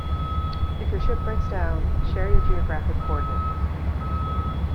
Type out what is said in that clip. If your ship breaks down, share your geographic coordinates.